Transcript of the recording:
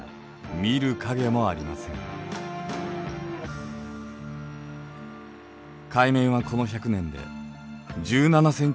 海面はこの１００年で１７ｃｍ上昇しました。